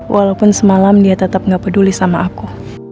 walaupun semalam dia tetap gak peduli sama aku